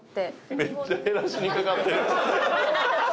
めっちゃ減らしにかかってる。